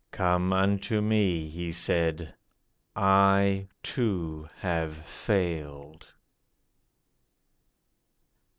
Come unto Me,' He said; 'I, too, have failed.